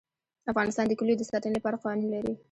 افغانستان د کلیو د ساتنې لپاره قوانین لري.